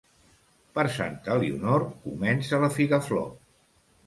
Per Santa Elionor comença la figaflor.